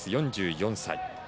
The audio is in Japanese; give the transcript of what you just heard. ４４歳。